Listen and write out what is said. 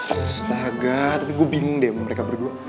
astaga tapi gua bingung deh sama mereka berdua